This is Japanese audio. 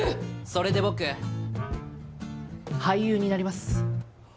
それで僕俳優になります。